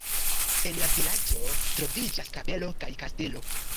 En la vilaĝo troviĝas kapelo kaj kastelo.